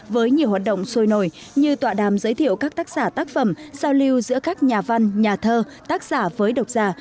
với nhiều hoạt động sôi nổi như tọa đàm giới thiệu các tác giả tác phẩm giao lưu giữa các nhà văn nhà thơ tác giả với độc giả